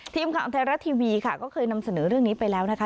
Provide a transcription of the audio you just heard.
ทีมข่าวไทยรัฐทีวีค่ะก็เคยนำเสนอเรื่องนี้ไปแล้วนะคะ